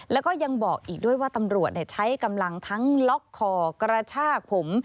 แล้วก็ยังบอกอีกด้วยว่าตำรวจใช้กำลังทั้งล็อกคอกระชากผม